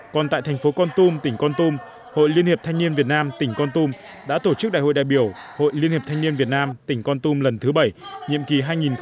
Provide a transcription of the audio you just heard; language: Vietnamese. còn tại thành phố con tum tỉnh con tum hội liên hiệp thanh niên việt nam tỉnh con tum đã tổ chức đại hội đại biểu hội liên hiệp thanh niên việt nam tỉnh con tum lần thứ bảy nhiệm kỳ hai nghìn một mươi chín hai nghìn hai mươi bốn